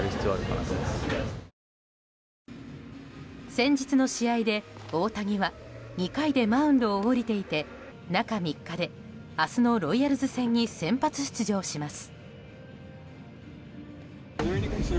先日の試合で、大谷は２回でマウンドを降りていて中３日で明日のロイヤルズ戦に先発出場します。